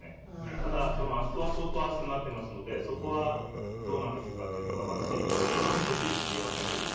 ただ、あそこは相当熱くなっていますのでそこはどうなんでしょうかというのは私は責任を持って言えませんが。